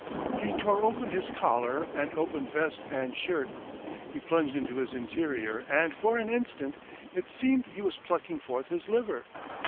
He tore open his collar and opened vest and shirt. He plunged into his interior and for an instant it seemed he was plucking forth his liver.